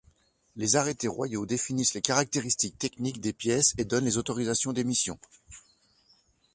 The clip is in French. Les arrêtés royaux définissent les caractéristiques techniques des pièces et donnent les autorisations d'émission.